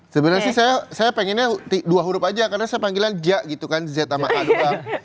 sebenarnya sih saya pengennya dua huruf aja karena saya panggilan ja gitu kan z sama a dua